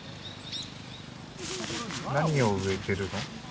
何を植えてるの？